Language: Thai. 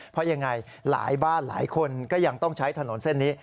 เพราะยังไงหลายบ้านหลายคนก็ยังต้องใช้ถนนเส้นนี้